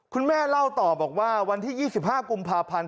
คุณแม่เล่าต่อบอกว่าวันที่๒๕กุมภาพันธ์